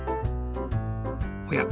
おや？